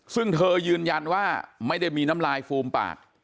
ซึ่งเธอยืนยันว่าไม่ได้มีน้ำลายฟูมปาก